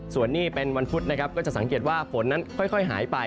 ส่วนนี้เป็นวันพุธนะครับก็จะสังเกตว่าฝนนั้นค่อยหายไป